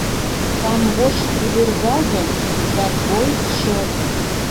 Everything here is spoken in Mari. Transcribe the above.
Камвоч пудырга гын, за твой счёт!